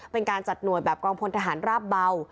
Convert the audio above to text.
เป็นการจัดหน่วยแบบกองพลทหารราบเบา